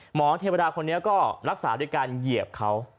เทวดาคนนี้ก็รักษาด้วยการเหยียบเขา